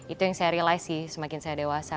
itu yang saya rely sih semakin saya dewasa